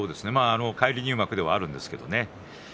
返り入幕ではあるんですけれどね。